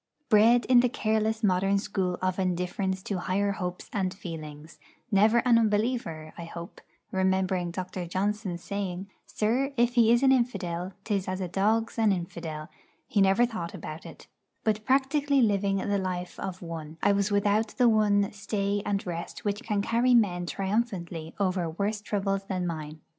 Bred in the careless modern school of indifference to higher hopes and feelings; never an unbeliever, I hope (remembering Dr. Johnson's saying: 'Sir, if he is an infidel, 'tis as a dog's an infidel; he never thought about it'), but practically living the life of one, I was without the one stay and rest which can carry men triumphantly over worse troubles than mine.